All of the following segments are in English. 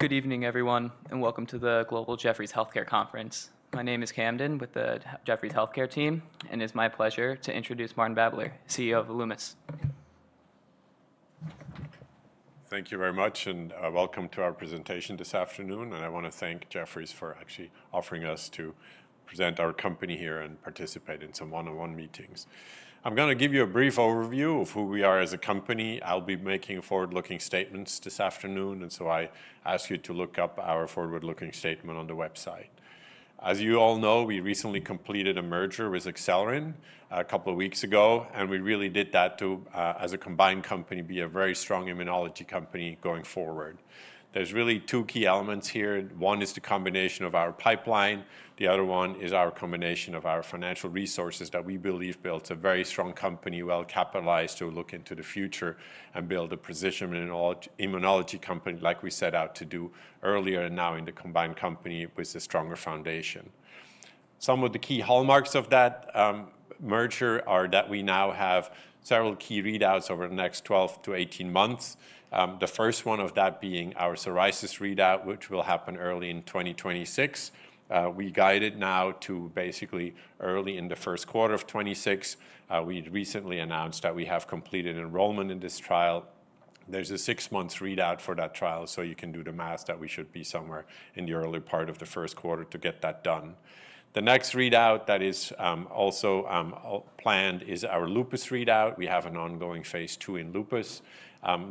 Good evening, everyone, and welcome to the Global Jefferies Healthcare Conference. My name is Camden with the Jefferies Healthcare team, and it is my pleasure to introduce Martin Babler, CEO of Alumis. Thank you very much, and welcome to our presentation this afternoon. I want to thank Jefferies for actually offering us to present our company here and participate in some one-on-one meetings. I'm going to give you a brief overview of who we are as a company. I'll be making forward-looking statements this afternoon, and I ask you to look up our forward-looking statement on the website. As you all know, we recently completed a merger with Acelyrin a couple of weeks ago, and we really did that to, as a combined company, be a very strong immunology company going forward. There's really two key elements here. One is the combination of our pipeline. The other one is our combination of our financial resources that we believe builds a very strong company, well-capitalized to look into the future and build a position in an immunology company, like we set out to do earlier, and now in the combined company with a stronger foundation. Some of the key hallmarks of that merger are that we now have several key readouts over the next 12-18 months, the first one of that being our psoriasis readout, which will happen early in 2026. We guide it now to basically early in the first quarter of 2026. We recently announced that we have completed enrollment in this trial. There is a six-month readout for that trial, so you can do the math that we should be somewhere in the early part of the first quarter to get that done. The next readout that is also planned is our lupus readout. We have an ongoing phase II in lupus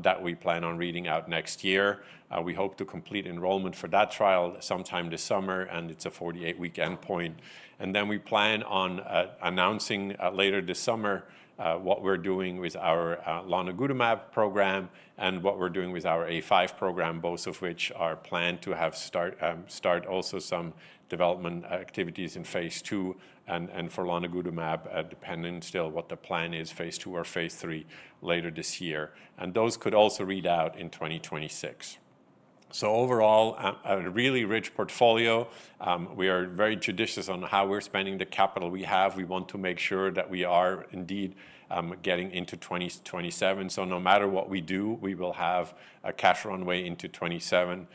that we plan on reading out next year. We hope to complete enrollment for that trial sometime this summer, and it's a 48-week endpoint. We plan on announcing later this summer what we're doing with our lanigutamab program and what we're doing with our A5 program, both of which are planned to have start also some development activities in phase II. For lanigutamab, depending still what the plan is, phase II or phase III later this year. Those could also read out in 2026. Overall, a really rich portfolio. We are very judicious on how we're spending the capital we have. We want to make sure that we are indeed getting into 2027. No matter what we do, we will have a cash runway into 2027.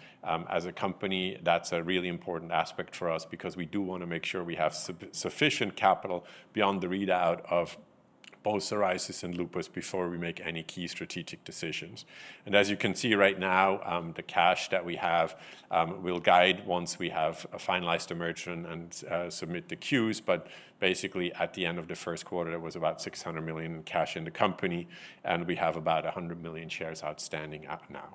As a company, that's a really important aspect for us because we do want to make sure we have sufficient capital beyond the readout of both psoriasis and lupus before we make any key strategic decisions. As you can see right now, the cash that we have will guide once we have finalized the merger and submit the queues. Basically, at the end of the first quarter, it was about $600 million in cash in the company, and we have about 100 million shares outstanding now.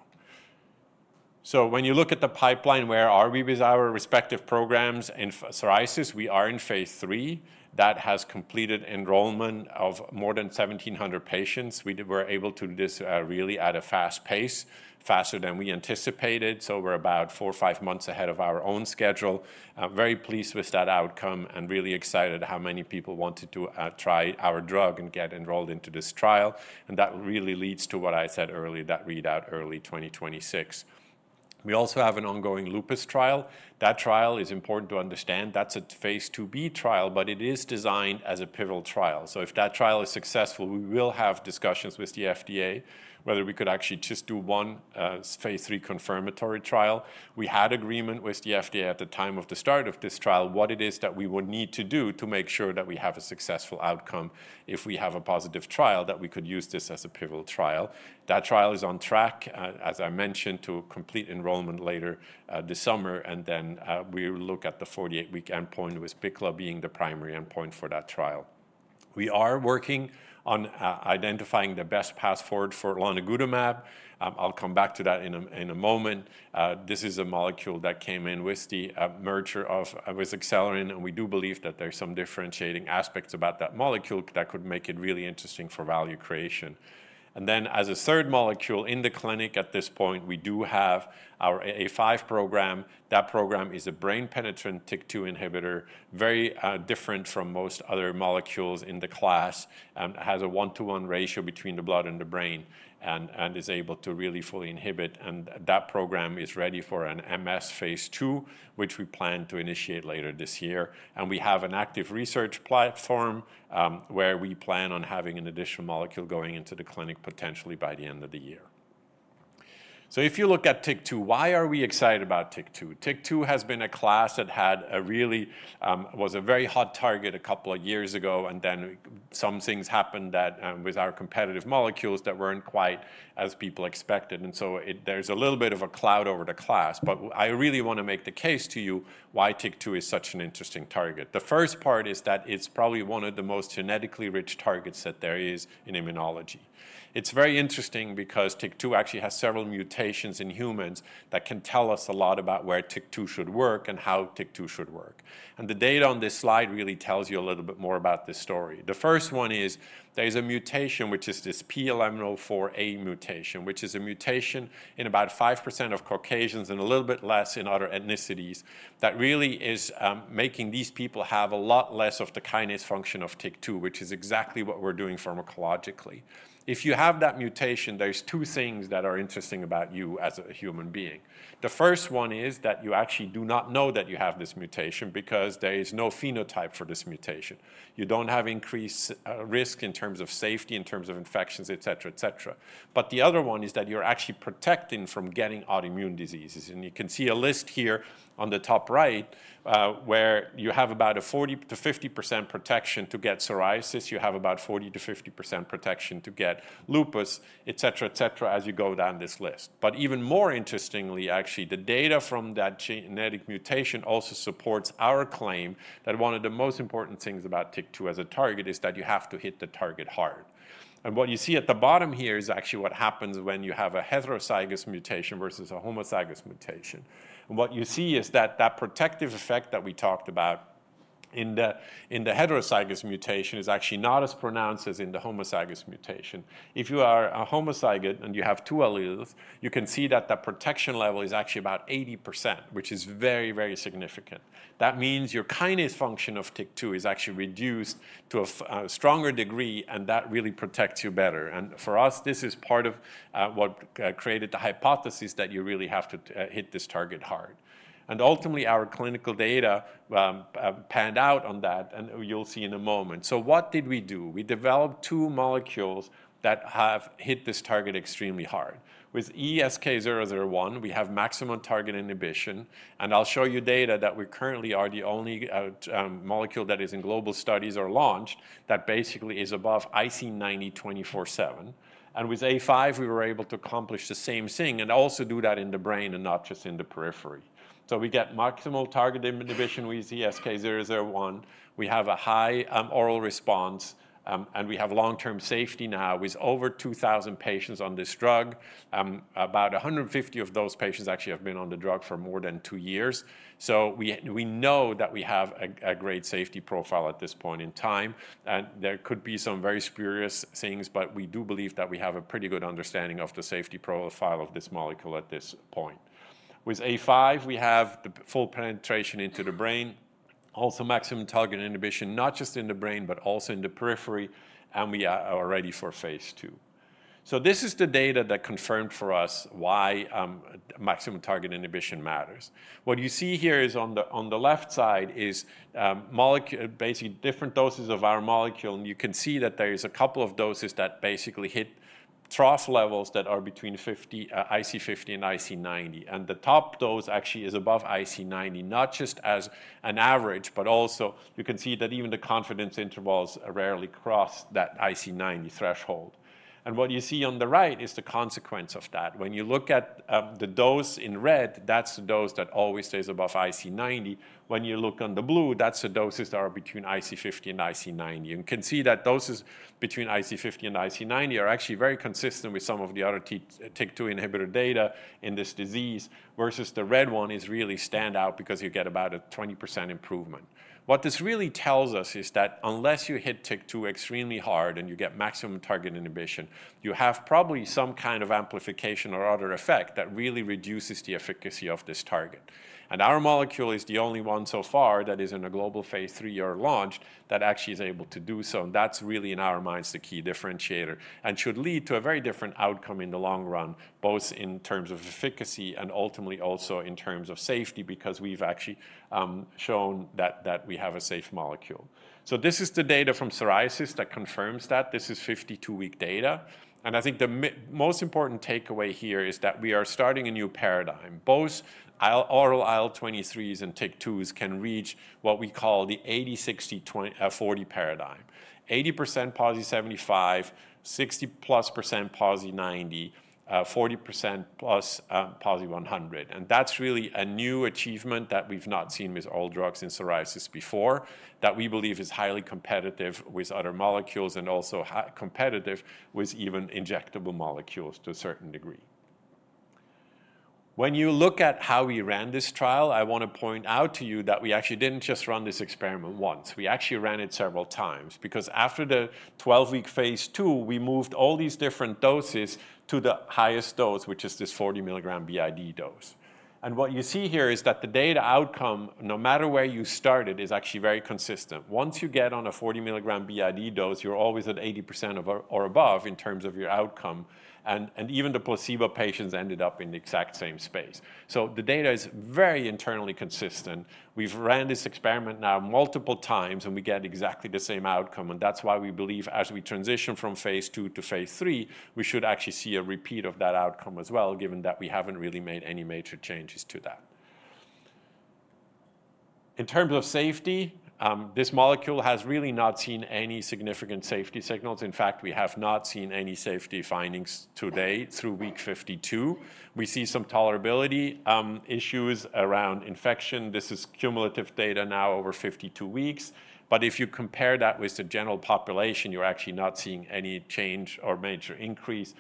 When you look at the pipeline, where are we with our respective programs in psoriasis? We are in phase III. That has completed enrollment of more than 1,700 patients. We were able to do this really at a fast pace, faster than we anticipated. We're about four or five months ahead of our own schedule. Very pleased with that outcome and really excited how many people wanted to try our drug and get enrolled into this trial. That really leads to what I said earlier, that readout early 2026. We also have an ongoing lupus trial. That trial is important to understand. That's a phase 2B trial, but it is designed as a pivotal trial. If that trial is successful, we will have discussions with the FDA whether we could actually just do one phase III confirmatory trial. We had agreement with the FDA at the time of the start of this trial what it is that we would need to do to make sure that we have a successful outcome if we have a positive trial, that we could use this as a pivotal trial. That trial is on track, as I mentioned, to complete enrollment later this summer. We look at the 48-week endpoint with BICLA being the primary endpoint for that trial. We are working on identifying the best path forward for lanigutamab. I'll come back to that in a moment. This is a molecule that came in with the merger with Acelyrin, and we do believe that there are some differentiating aspects about that molecule that could make it really interesting for value creation. As a third molecule in the clinic at this point, we do have our A5 program. That program is a brain-penetrant TYK2 inhibitor, very different from most other molecules in the class. It has a one-to-one ratio between the blood and the brain and is able to really fully inhibit. That program is ready for an MS phase II, which we plan to initiate later this year. We have an active research platform where we plan on having an additional molecule going into the clinic potentially by the end of the year. If you look at TYK2, why are we excited about TYK2? TYK2 has been a class that had a really was a very hot target a couple of years ago, and then some things happened with our competitive molecules that were not quite as people expected. There is a little bit of a cloud over the class, but I really want to make the case to you why TYK2 is such an interesting target. The first part is that it is probably one of the most genetically rich targets that there is in immunology. It's very interesting because TYK2 actually has several mutations in humans that can tell us a lot about where TYK2 should work and how TYK2 should work. The data on this slide really tells you a little bit more about this story. The first one is there's a mutation, which is this P1104A mutation, which is a mutation in about 5% of Caucasians and a little bit less in other ethnicities that really is making these people have a lot less of the kinase function of TYK2, which is exactly what we're doing pharmacologically. If you have that mutation, there are two things that are interesting about you as a human being. The first one is that you actually do not know that you have this mutation because there is no phenotype for this mutation. You don't have increased risk in terms of safety, in terms of infections, et cetera, et cetera. The other one is that you're actually protecting from getting autoimmune diseases. You can see a list here on the top right where you have about a 40%-50% protection to get psoriasis. You have about 40%-50% protection to get lupus, et cetera, et cetera, as you go down this list. Even more interestingly, actually, the data from that genetic mutation also supports our claim that one of the most important things about TYK2 as a target is that you have to hit the target hard. What you see at the bottom here is actually what happens when you have a heterozygous mutation versus a homozygous mutation. What you see is that that protective effect that we talked about in the heterozygous mutation is actually not as pronounced as in the homozygous mutation. If you are a homozygous and you have two alleles, you can see that that protection level is actually about 80%, which is very, very significant. That means your kinase function of TYK2 is actually reduced to a stronger degree, and that really protects you better. For us, this is part of what created the hypothesis that you really have to hit this target hard. Ultimately, our clinical data panned out on that, and you'll see in a moment. What did we do? We developed two molecules that have hit this target extremely hard. With ESK-001, we have maximum target inhibition, and I'll show you data that we currently are the only molecule that is in global studies or launched that basically is above IC90 247. With A5, we were able to accomplish the same thing and also do that in the brain and not just in the periphery. We get maximal target inhibition with ESK-001. We have a high oral response, and we have long-term safety now with over 2,000 patients on this drug. About 150 of those patients actually have been on the drug for more than two years. We know that we have a great safety profile at this point in time. There could be some very spurious things, but we do believe that we have a pretty good understanding of the safety profile of this molecule at this point. With A5, we have the full penetration into the brain, also maximum target inhibition, not just in the brain, but also in the periphery, and we are ready for phase II. This is the data that confirmed for us why maximum target inhibition matters. What you see here is on the left side is basically different doses of our molecule, and you can see that there is a couple of doses that basically hit trough levels that are between IC50 and IC90. The top dose actually is above IC90, not just as an average, but also you can see that even the confidence intervals rarely cross that IC90 threshold. What you see on the right is the consequence of that. When you look at the dose in red, that is the dose that always stays above IC90. When you look on the blue, that's the doses that are between IC50 and IC90. You can see that doses between IC50 and IC90 are actually very consistent with some of the other TYK2 inhibitor data in this disease, versus the red one is really stand out because you get about a 20% improvement. What this really tells us is that unless you hit TYK2 extremely hard and you get maximum target inhibition, you have probably some kind of amplification or other effect that really reduces the efficacy of this target. And our molecule is the only one so far that is in a global phase III or launched that actually is able to do so. That is really, in our minds, the key differentiator and should lead to a very different outcome in the long run, both in terms of efficacy and ultimately also in terms of safety because we have actually shown that we have a safe molecule. This is the data from psoriasis that confirms that. This is 52-week data. I think the most important takeaway here is that we are starting a new paradigm. Both oral IL-23s and TYK2s can reach what we call the 80-60-40 paradigm: 80% PASI 75, 60% + PASI 90, 40% + PASI 100. That is really a new achievement that we have not seen with all drugs in psoriasis before that we believe is highly competitive with other molecules and also competitive with even injectable molecules to a certain degree. When you look at how we ran this trial, I want to point out to you that we actually didn't just run this experiment once. We actually ran it several times because after the 12-week phase II, we moved all these different doses to the highest dose, which is this 40 milligram b.i.d. dose. What you see here is that the data outcome, no matter where you started, is actually very consistent. Once you get on a 40 milligram b.i.d. dose, you're always at 80% or above in terms of your outcome. Even the placebo patients ended up in the exact same space. The data is very internally consistent. We've ran this experiment now multiple times, and we get exactly the same outcome. That is why we believe as we transition from phase II to phase III, we should actually see a repeat of that outcome as well, given that we have not really made any major changes to that. In terms of safety, this molecule has really not seen any significant safety signals. In fact, we have not seen any safety findings to date through week 52. We see some tolerability issues around infection. This is cumulative data now over 52 weeks. If you compare that with the general population, you are actually not seeing any change or major increase.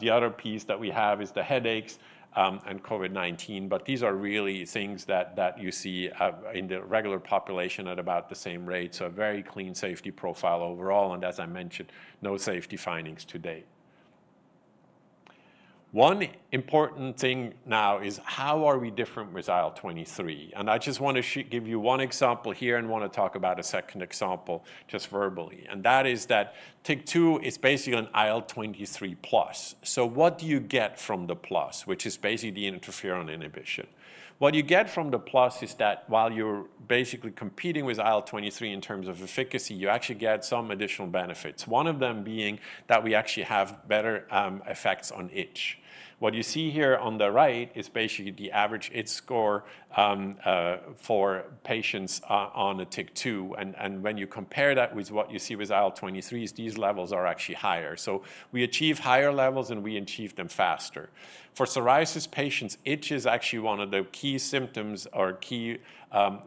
The other piece that we have is the headaches and Covid-19, but these are really things that you see in the regular population at about the same rate. A very clean safety profile overall, and as I mentioned, no safety findings to date. One important thing now is how are we different with IL-23? I just want to give you one example here and want to talk about a second example just verbally. That is that TYK2 is basically an IL-23 plus. What you get from the plus, which is basically the interferon inhibition, is that while you're basically competing with IL-23 in terms of efficacy, you actually get some additional benefits, one of them being that we actually have better effects on itch. What you see here on the right is basically the average itch score for patients on a TYK2. When you compare that with what you see with IL-23, these levels are actually higher. We achieve higher levels, and we achieve them faster. For psoriasis patients, itch is actually one of the key symptoms or key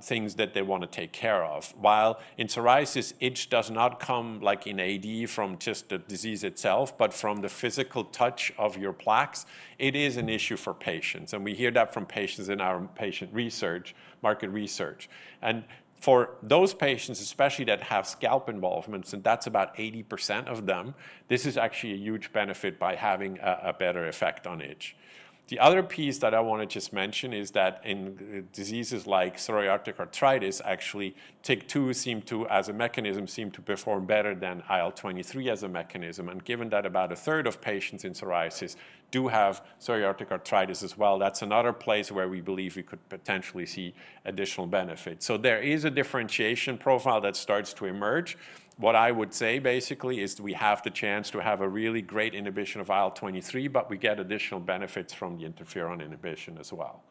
things that they want to take care of. While in psoriasis, itch does not come like in AD from just the disease itself, but from the physical touch of your plaques, it is an issue for patients. We hear that from patients in our patient research, market research. For those patients, especially that have scalp involvements, and that's about 80% of them, this is actually a huge benefit by having a better effect on itch. The other piece that I want to just mention is that in diseases like psoriatic arthritis, actually TYK2 seem to, as a mechanism, seem to perform better than IL-23 as a mechanism. Given that about a third of patients in psoriasis do have psoriatic arthritis as well, that's another place where we believe we could potentially see additional benefits. There is a differentiation profile that starts to emerge. What I would say basically is we have the chance to have a really great inhibition of IL-23, but we get additional benefits from the interferon inhibition as well.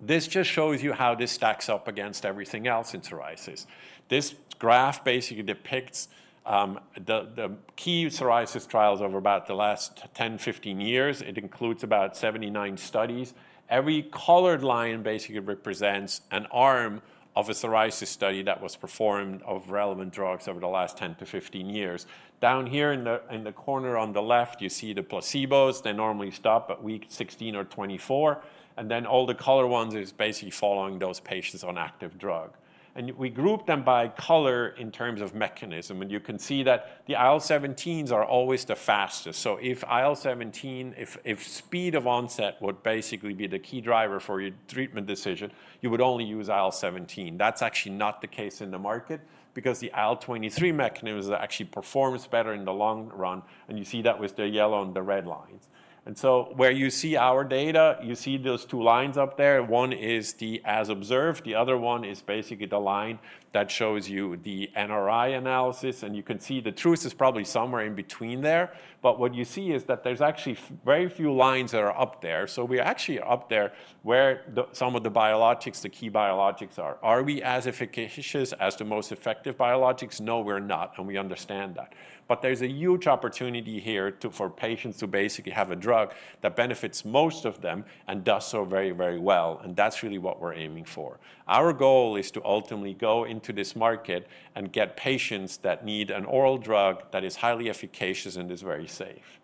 This just shows you how this stacks up against everything else in psoriasis. This graph basically depicts the key psoriasis trials over about the last 10-15 years. It includes about 79 studies. Every colored line basically represents an arm of a psoriasis study that was performed of relevant drugs over the last 10-15 years. Down here in the corner on the left, you see the placebos. They normally stop at week 16 or 24. All the colored ones are basically following those patients on active drug. We group them by color in terms of mechanism. You can see that the IL-17s are always the fastest. If IL-17, if speed of onset would basically be the key driver for your treatment decision, you would only use IL-17. That is actually not the case in the market because the IL-23 mechanism actually performs better in the long run. You see that with the yellow and the red lines. Where you see our data, you see those two lines up there. One is the as observed. The other one is basically the line that shows you the NRI analysis. You can see the truth is probably somewhere in between there. What you see is that there are actually very few lines that are up there. We are actually up there where some of the biologics, the key biologics are. Are we as efficacious as the most effective biologics? No, we are not. We understand that. There is a huge opportunity here for patients to basically have a drug that benefits most of them and does so very, very well. That is really what we are aiming for. Our goal is to ultimately go into this market and get patients that need an oral drug that is highly efficacious and is very safe.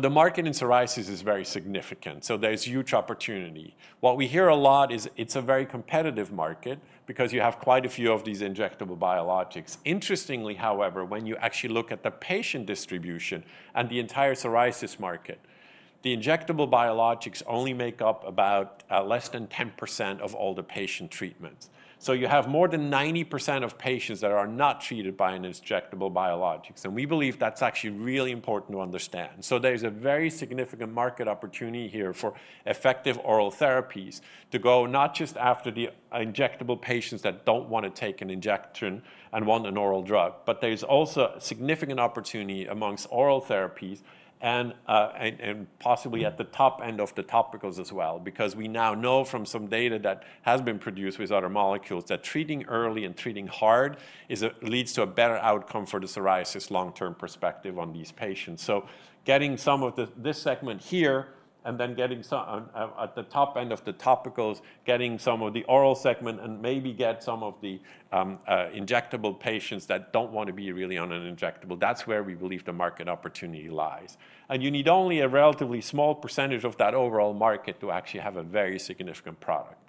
The market in psoriasis is very significant. There is huge opportunity. What we hear a lot is it is a very competitive market because you have quite a few of these injectable biologics. Interestingly, however, when you actually look at the patient distribution and the entire psoriasis market, the injectable biologics only make up about less than 10% of all the patient treatments. You have more than 90% of patients that are not treated by an injectable biologic. We believe that is actually really important to understand. There is a very significant market opportunity here for effective oral therapies to go not just after the injectable patients that do not want to take an injection and want an oral drug, but there is also a significant opportunity amongst oral therapies and possibly at the top end of the topicals as well because we now know from some data that has been produced with other molecules that treating early and treating hard leads to a better outcome for the psoriasis long-term perspective on these patients. Getting some of this segment here and then getting at the top end of the topicals, getting some of the oral segment and maybe get some of the injectable patients that do not want to be really on an injectable, that is where we believe the market opportunity lies. You need only a relatively small percentage of that overall market to actually have a very significant product.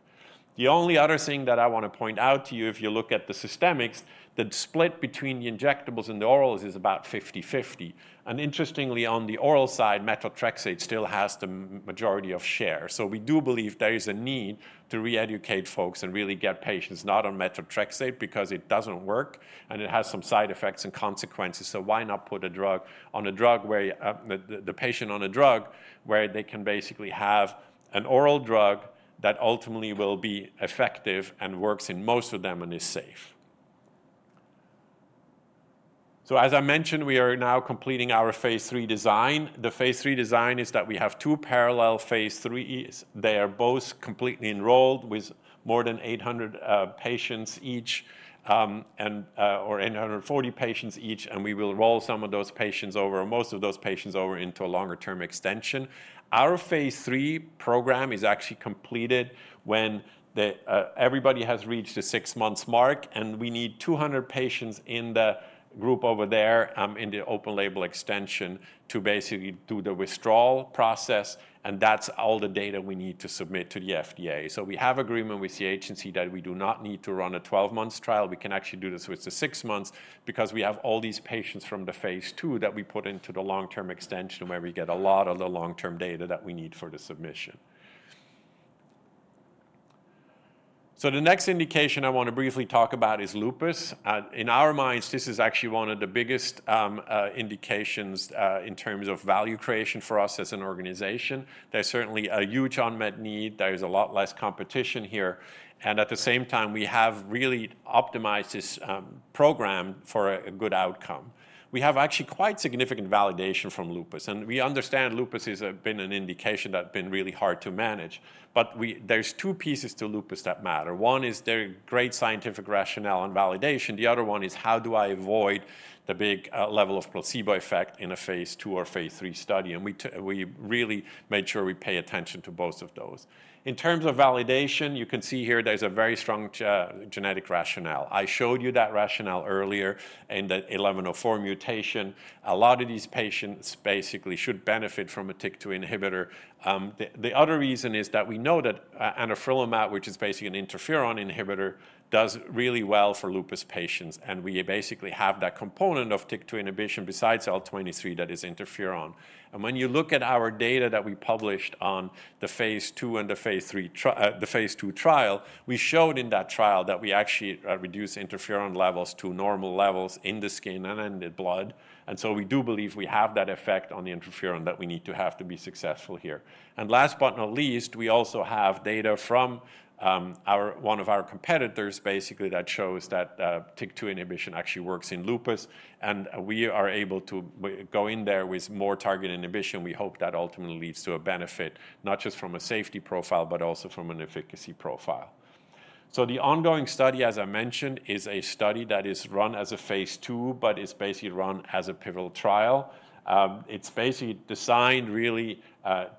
The only other thing that I want to point out to you, if you look at the systemics, the split between the injectables and the orals is about 50/50. Interestingly, on the oral side, methotrexate still has the majority of share. We do believe there is a need to re-educate folks and really get patients not on methotrexate because it does not work and it has some side effects and consequences. Why not put a drug where the patient can basically have an oral drug that ultimately will be effective and works in most of them and is safe. As I mentioned, we are now completing our phase III design. The phase III design is that we have two parallel phase III. They are both completely enrolled with more than 800 patients each or 840 patients each. We will roll some of those patients over, most of those patients over into a longer-term extension. Our phase III program is actually completed when everybody has reached the six-month mark. We need 200 patients in the group over there in the open label extension to basically do the withdrawal process. That is all the data we need to submit to the FDA. We have agreement with the agency that we do not need to run a 12-month trial. We can actually do this with the six months because we have all these patients from the phase II that we put into the long-term extension where we get a lot of the long-term data that we need for the submission. The next indication I want to briefly talk about is lupus. In our minds, this is actually one of the biggest indications in terms of value creation for us as an organization. There is certainly a huge unmet need. There is a lot less competition here. At the same time, we have really optimized this program for a good outcome. We have actually quite significant validation from lupus. We understand lupus has been an indication that has been really hard to manage. There are two pieces to lupus that matter. One is the great scientific rationale and validation. The other one is how do I avoid the big level of placebo effect in a phase II or phase III study? We really made sure we pay attention to both of those. In terms of validation, you can see here there is a very strong genetic rationale. I showed you that rationale earlier in the 1104 mutation. A lot of these patients basically should benefit from a TYK2 inhibitor. The other reason is that we know that Anifrolumab, which is basically an interferon inhibitor, does really well for lupus patients. We basically have that component of TYK2 inhibition besides IL-23 that is interferon. When you look at our data that we published on the phase II and the phase III trial, we showed in that trial that we actually reduce interferon levels to normal levels in the skin and in the blood. We do believe we have that effect on the interferon that we need to have to be successful here. Last but not least, we also have data from one of our competitors basically that shows that TYK2 inhibition actually works in lupus. We are able to go in there with more target inhibition. We hope that ultimately leads to a benefit not just from a safety profile, but also from an efficacy profile. The ongoing study, as I mentioned, is a study that is run as a phase II, but is basically run as a pivotal trial. It is basically designed really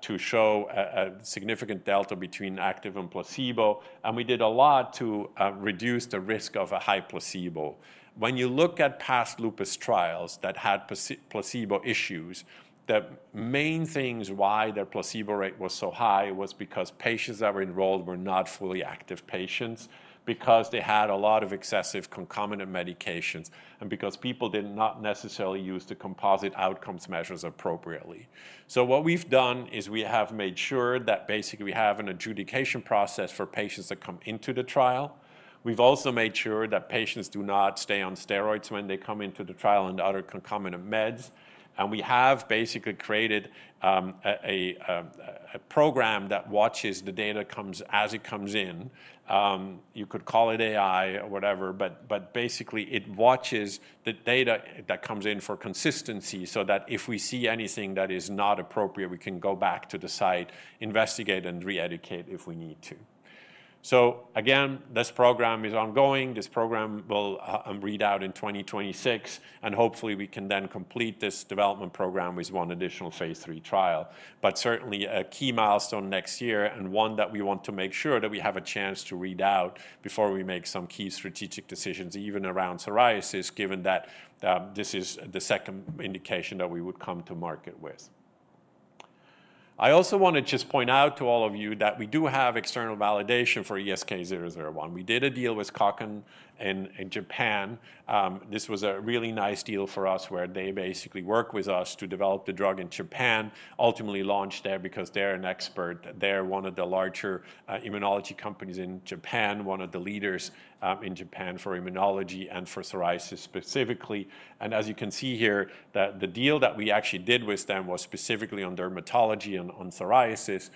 to show a significant delta between active and placebo. We did a lot to reduce the risk of a high placebo. When you look at past lupus trials that had placebo issues, the main things why their placebo rate was so high was because patients that were enrolled were not fully active patients because they had a lot of excessive concomitant medications and because people did not necessarily use the composite outcomes measures appropriately. What we have done is we have made sure that basically we have an adjudication process for patients that come into the trial. We have also made sure that patients do not stay on steroids when they come into the trial and other concomitant meds. We have basically created a program that watches the data as it comes in. You could call it AI or whatever, but basically it watches the data that comes in for consistency so that if we see anything that is not appropriate, we can go back to the site, investigate, and re-educate if we need to. Again, this program is ongoing. This program will read out in 2026. Hopefully, we can then complete this development program with one additional phase III trial. Certainly a key milestone next year and one that we want to make sure that we have a chance to read out before we make some key strategic decisions even around psoriasis, given that this is the second indication that we would come to market with. I also want to just point out to all of you that we do have external validation for ESK-001. We did a deal with Kyowa Kirin in Japan. This was a really nice deal for us where they basically worked with us to develop the drug in Japan, ultimately launched there because they're an expert. They're one of the larger immunology companies in Japan, one of the leaders in Japan for immunology and for psoriasis specifically. As you can see here, the deal that we actually did with them was specifically on dermatology and on psoriasis.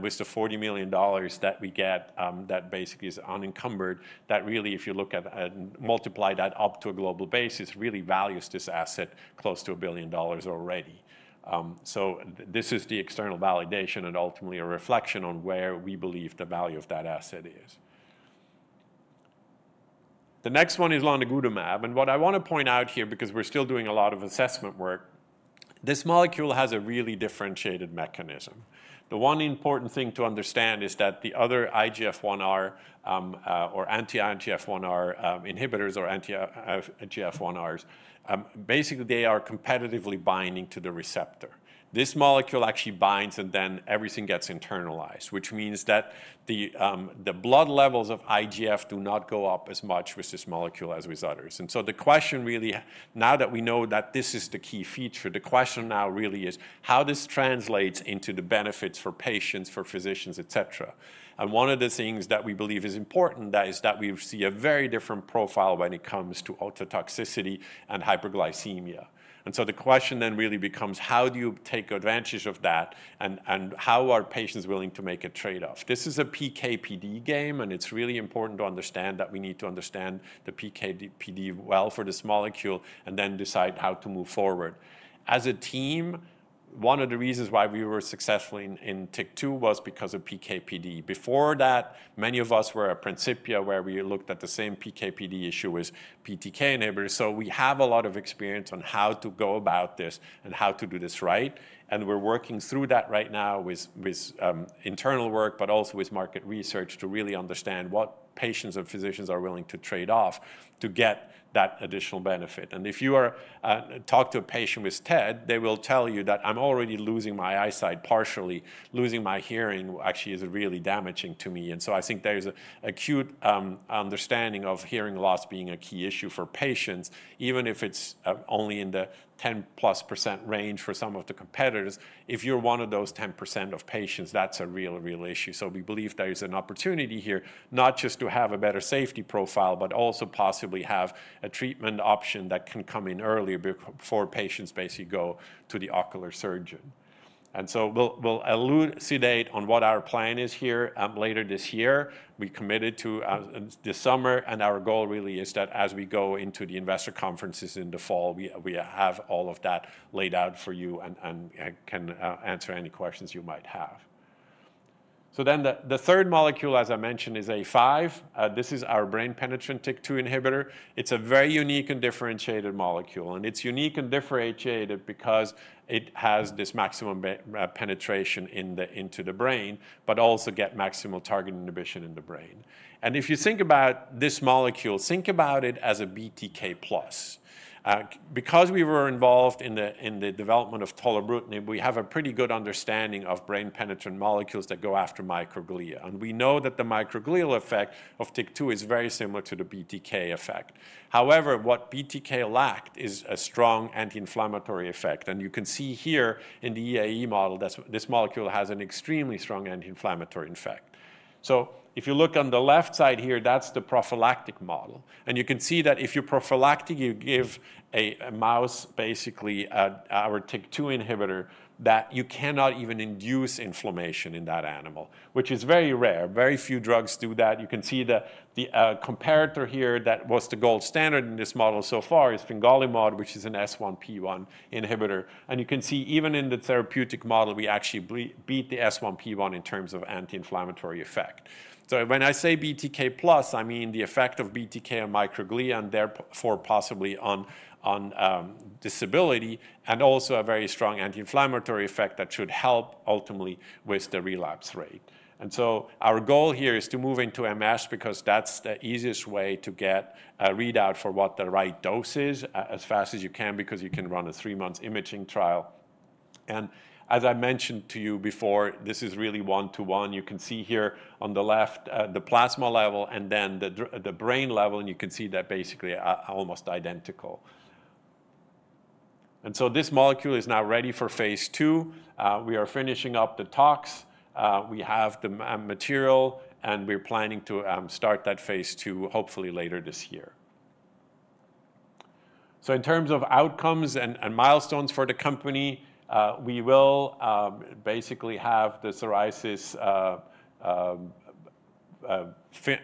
With the $40 million that we get that basically is unencumbered, that really, if you look at and multiply that up to a global basis, really values this asset close to a billion dollars already. This is the external validation and ultimately a reflection on where we believe the value of that asset is. The next one is lanigutamab. What I want to point out here because we're still doing a lot of assessment work, this molecule has a really differentiated mechanism. The one important thing to understand is that the other IGF-1R or anti-IGF-1R inhibitors or anti-IGF-1Rs, basically they are competitively binding to the receptor. This molecule actually binds and then everything gets internalized, which means that the blood levels of IGF do not go up as much with this molecule as with others. The question really, now that we know that this is the key feature, the question now really is how this translates into the benefits for patients, for physicians, et cetera. One of the things that we believe is important is that we see a very different profile when it comes to ultra-toxicity and hyperglycemia. The question then really becomes, how do you take advantage of that and how are patients willing to make a trade-off? This is a PK/PD game. It's really important to understand that we need to understand the PK/PD well for this molecule and then decide how to move forward. As a team, one of the reasons why we were successful in TYK2 was because of PK/PD. Before that, many of us were at Principia where we looked at the same PK/PD issue with TYK2 inhibitors. We have a lot of experience on how to go about this and how to do this right. We're working through that right now with internal work, but also with market research to really understand what patients and physicians are willing to trade-off to get that additional benefit. If you talk to a patient with TED, they will tell you that, "I'm already losing my eyesight partially. Losing my hearing actually is really damaging to me." I think there's an acute understanding of hearing loss being a key issue for patients, even if it's only in the 10+% range for some of the competitors. If you're one of those 10% of patients, that's a real, real issue. We believe there is an opportunity here, not just to have a better safety profile, but also possibly have a treatment option that can come in earlier before patients basically go to the ocular surgeon. We will elucidate on what our plan is here later this year. We committed to this summer. Our goal really is that as we go into the investor conferences in the fall, we have all of that laid out for you and can answer any questions you might have. The third molecule, as I mentioned, is A5. This is our brain-penetrant TYK2 inhibitor. It is a very unique and differentiated molecule. It is unique and differentiated because it has this maximum penetration into the brain, but also gets maximal target inhibition in the brain. If you think about this molecule, think about it as a BTK+. Because we were involved in the development of tolerabrutinib, we have a pretty good understanding of brain-penetrant molecules that go after microglia. We know that the microglial effect of TYK2 is very similar to the BTK effect. However, what BTK lacked is a strong anti-inflammatory effect. You can see here in the EAE model, this molecule has an extremely strong anti-inflammatory effect. If you look on the left side here, that's the prophylactic model. You can see that if you're prophylactic, you give a mouse basically our TYK2 inhibitor that you cannot even induce inflammation in that animal, which is very rare. Very few drugs do that. You can see the comparator here that was the gold standard in this model so far is fingolimod, which is an S1P1 inhibitor. You can see even in the therapeutic model, we actually beat the S1P1 in terms of anti-inflammatory effect. When I say BTK+, I mean the effect of BTK on microglia and therefore possibly on disability and also a very strong anti-inflammatory effect that should help ultimately with the relapse rate. Our goal here is to move into MS because that's the easiest way to get a readout for what the right dose is as fast as you can because you can run a three-month imaging trial. As I mentioned to you before, this is really one-to-one. You can see here on the left the plasma level and then the brain level. You can see that basically almost identical. This molecule is now ready for phase II. We are finishing up the tox. We have the material. We're planning to start that phase II hopefully later this year. In terms of outcomes and milestones for the company, we will basically have the psoriasis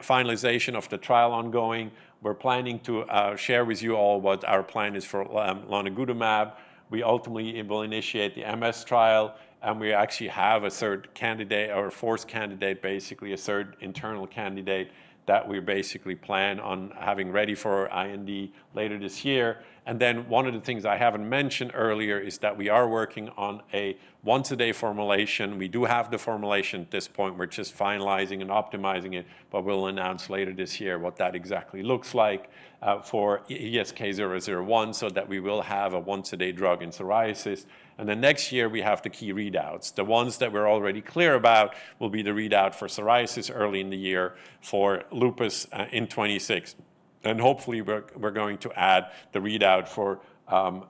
finalization of the trial ongoing. We're planning to share with you all what our plan is for lanigutamab. We ultimately will initiate the MS trial. We actually have a third candidate or a fourth candidate, basically a third internal candidate that we basically plan on having ready for IND later this year. One of the things I haven't mentioned earlier is that we are working on a once-a-day formulation. We do have the formulation at this point. We're just finalizing and optimizing it. We'll announce later this year what that exactly looks like for ESK-001 so that we will have a once-a-day drug in psoriasis. Next year, we have the key readouts. The ones that we're already clear about will be the readout for psoriasis early in the year, for lupus in 2026. Hopefully, we're going to add the readout for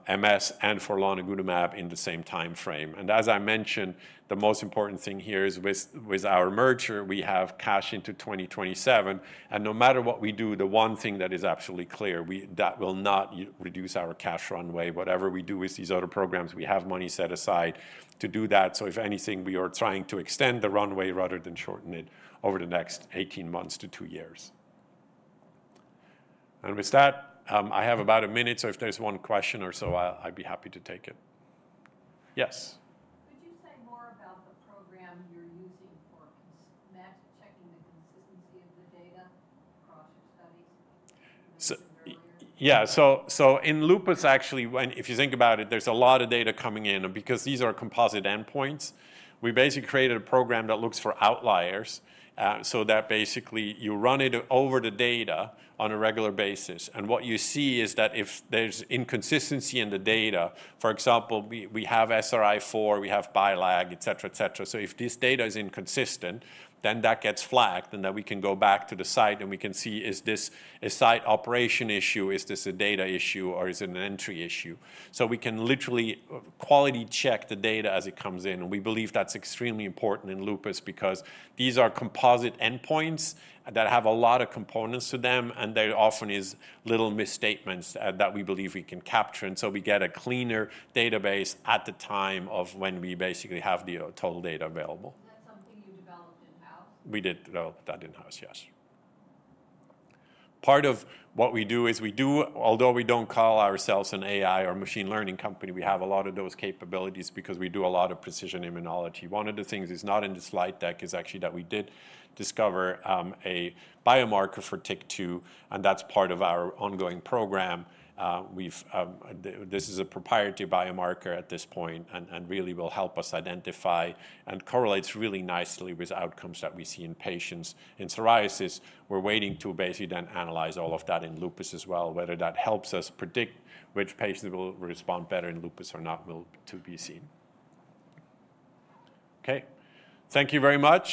MS and for lanigutamab in the same time frame. As I mentioned, the most important thing here is with our merger, we have cash into 2027. No matter what we do, the one thing that is absolutely clear, that will not reduce our cash runway. Whatever we do with these other programs, we have money set aside to do that. If anything, we are trying to extend the runway rather than shorten it over the next 18 months to two years. With that, I have about a minute. If there's one question or so, I'd be happy to take it. Yes. Could you say more about the program you're using for match checking the consistency of the data across your studies? Yeah. In lupus, actually, if you think about it, there's a lot of data coming in. Because these are composite endpoints, we basically created a program that looks for outliers. That basically, you run it over the data on a regular basis. What you see is that if there's inconsistency in the data, for example, we have SRI-4, we have BILAG, et cetera, et cetera. If this data is inconsistent, then that gets flagged. Then we can go back to the site and we can see, is this a site operation issue? Is this a data issue? Or is it an entry issue? We can literally quality check the data as it comes in. We believe that's extremely important in lupus because these are composite endpoints that have a lot of components to them. There often is little misstatements that we believe we can capture. We get a cleaner database at the time of when we basically have the total data available. Is that something you developed in-house? We did develop that in-house, yes. Part of what we do is we do, although we do not call ourselves an AI or machine learning company, we have a lot of those capabilities because we do a lot of precision immunology. One of the things that is not in this slide deck is actually that we did discover a biomarker for TYK2. That's part of our ongoing program. This is a proprietary biomarker at this point and really will help us identify and correlates really nicely with outcomes that we see in patients in psoriasis. We're waiting to basically then analyze all of that in lupus as well, whether that helps us predict which patients will respond better in lupus or not will be seen. Okay. Thank you very much.